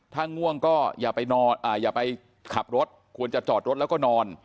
ถ้าง่วงก็อย่าไปนอนอย่าไปขับรถควรจะจอดรถแล้วก็นอน